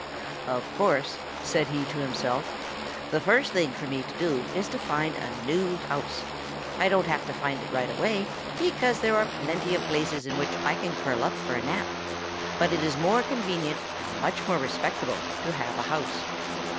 "Of course," said he to himself, "the first thing for me to do is to find a new house. I don't have to have it right away, because there are plenty of places in which I can curl up for a nap, but it is more convenient and much more respectable to have a house.